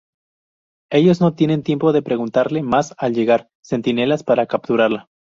Ellos no tienen tiempo de preguntarle mas al llegar Centinelas para capturarla.